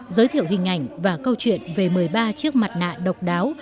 giới thiệu hình ảnh và câu chuyện về một mươi ba chiếc mặt nạ độc đáo